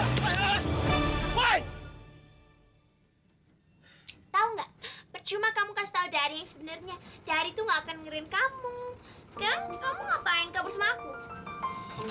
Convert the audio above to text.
sekarang kamu ngapain kabur sama aku